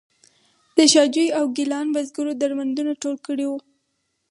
د شاه جوی او ګیلان بزګرو درمندونه ټول کړي وو.